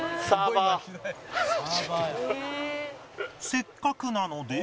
せっかくなので